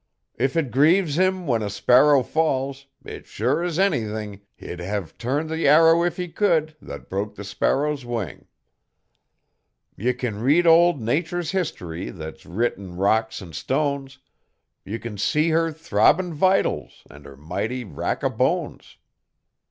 If it grieves Him when a sparrow falls, it's sure as anything, He'd hev turned the arrow if He could, that broke the sparrow's wing. Ye can read old Nature's history thet's writ in rocks an' stones, Ye can see her throbbin' vitals an' her mighty rack o' hones.